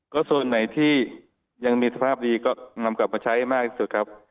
ก็ส่วนไหนที่ยังมีสภาพดีก็นำกลับมาใช้มากที่สุดครับ